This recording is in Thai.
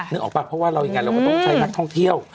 นึกออกปะเพราะว่าเราก็ต้องใช้นักท่องเที่ยว